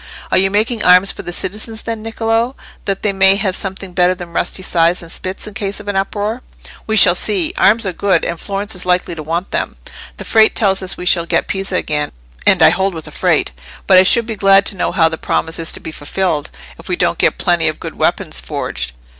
'" "Are you making arms for the citizens, then, Niccolò, that they may have something better than rusty scythes and spits in case of an uproar?" "We shall see. Arms are good, and Florence is likely to want them. The Frate tells us we shall get Pisa again, and I hold with the Frate; but I should be glad to know how the promise is to be fulfilled, if we don't get plenty of good weapons forged?